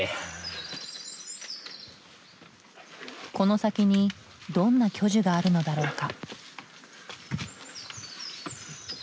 この先にどんな巨樹があるのだろうか？